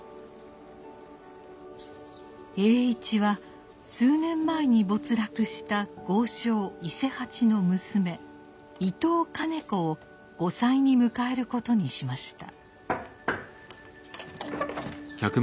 栄一は数年前に没落した豪商伊勢八の娘伊藤兼子を後妻に迎えることにしました。